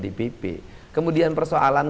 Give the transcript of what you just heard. dpp kemudian persoalan